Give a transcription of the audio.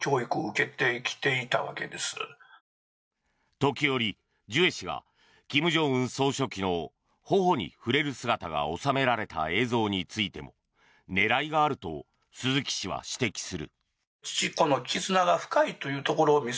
時折、ジュエ氏が金正恩総書記の頬に触れる姿が収められた映像についても狙いがあると鈴木氏は指摘する。